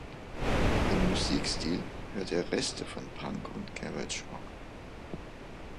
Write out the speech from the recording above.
Im Musikstil hört er Reste von Punk- und Garage Rock.